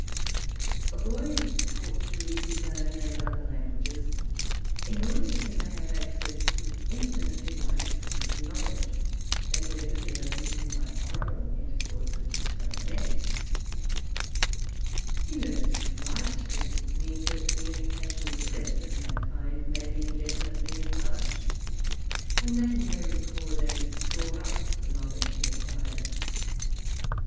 A boy is taught to read his own and other languages, in order that he may have access to infinitely wider stores of knowledge than could ever be opened to him by oral intercourse with his fellow men; he learns to write, that his means of communication with the rest of mankind may be indefinitely enlarged, and that he may record and store up the knowledge he acquires.